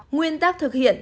nguyên tắc thực hiện